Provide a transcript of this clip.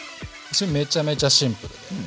めちゃめちゃシンプルです。